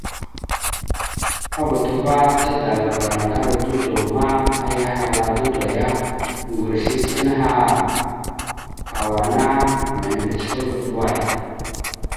A vuto va, tadalavara ŋgar a dudo ma, aya ahala a dudo ya: Ŋgureslesla naha ma, ka wa ana mèmbirec kwal vaɗ way?